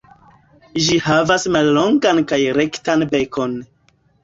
Ĝi havas mallongan kaj rektan bekon.